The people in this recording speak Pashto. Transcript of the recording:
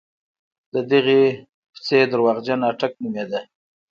د دغې کوڅې درواغجن اټک نومېده.